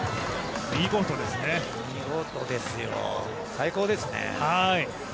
最高ですね。